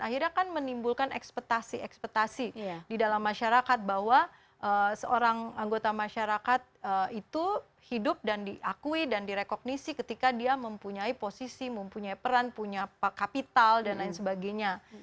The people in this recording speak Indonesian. akhirnya kan menimbulkan ekspetasi ekspetasi di dalam masyarakat bahwa seorang anggota masyarakat itu hidup dan diakui dan direkognisi ketika dia mempunyai posisi mempunyai peran punya kapital dan lain sebagainya